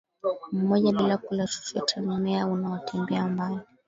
mmoja bila kula chochote Mmea unaotembea Mbali